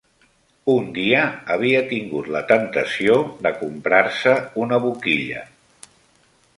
Un dia havia tingut la tentació de comprar-se una boquilla